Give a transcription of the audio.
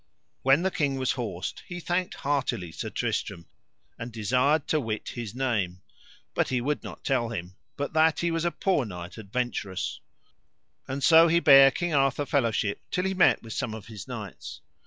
When the king was horsed he thanked heartily Sir Tristram, and desired to wit his name; but he would not tell him, but that he was a poor knight adventurous; and so he bare King Arthur fellowship till he met with some of his knights.